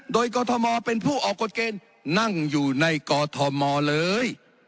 โดยกฏธมอร์เป็นผู้ออกกฏเกณฑ์นั่งอยู่ในกฏธมอร์เลย